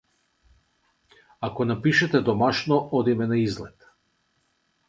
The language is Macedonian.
Ако напишете домашно одиме на излет.